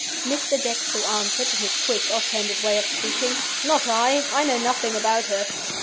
"Mr. Dexter answered, in his quick, off hand way of speaking, 'Not I. I know nothing about her.